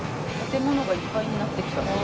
建物がいっぱいになってきた。